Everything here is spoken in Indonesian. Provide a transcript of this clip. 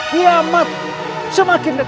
kiamat semakin dekat